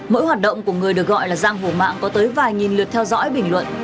mỗi hoạt động của người được gọi là giang hổ mạng có tới vài nghìn lượt theo dõi bình luận